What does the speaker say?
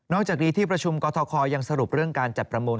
จากนี้ที่ประชุมกรทคยังสรุปเรื่องการจัดประมูล